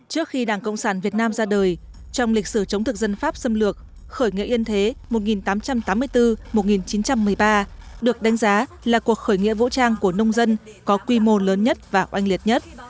trước khi đảng cộng sản việt nam ra đời trong lịch sử chống thực dân pháp xâm lược khởi nghĩa yên thế một nghìn tám trăm tám mươi bốn một nghìn chín trăm một mươi ba được đánh giá là cuộc khởi nghĩa vũ trang của nông dân có quy mô lớn nhất và oanh liệt nhất